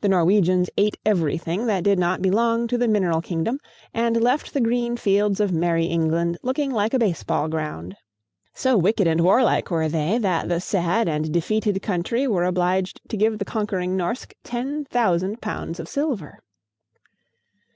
The Norwegians ate everything that did not belong to the mineral kingdom, and left the green fields of merry England looking like a base ball ground. So wicked and warlike were they that the sad and defeated country was obliged to give the conquering Norske ten thousand pounds of silver.